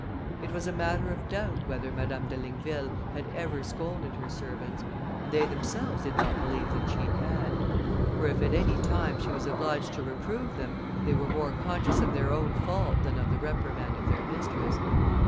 It was a matter of doubt whether Madame de Ligneville had ever scolded her servants, and they themselves did not believe that she had; for if at any time she was obliged to reprove them, they were more conscious of their own fault than of the reprimand of their mistress.